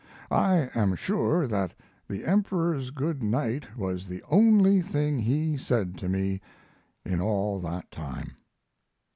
I am sure that the Emperor's good night was the only thing he said to me in all that time.